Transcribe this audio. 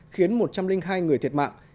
khiến một trăm linh hai người thiệt mạng